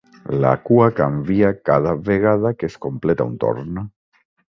La cua canvia cada vegada que es completa un torn.